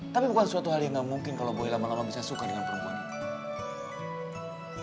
tapi bukan sesuatu hal yang gak mungkin kalau boy lama lama bisa suka dengan perempuan ini